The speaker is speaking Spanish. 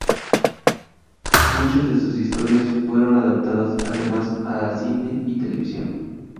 Muchas de sus historias fueron adaptadas además a cine y televisión.